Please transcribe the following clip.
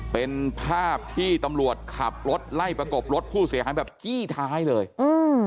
เป็นภาพที่ตำรวจขับรถไล่ประกบรถผู้เสียหายแบบจี้ท้ายเลยอืม